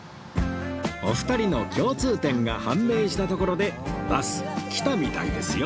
お二人の共通点が判明したところでバス来たみたいですよ